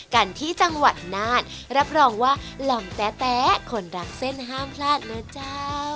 กันที่จังหวัดน่านรับรองว่าหล่อมแต๊ะคนรักเส้นห้ามพลาดนะเจ้า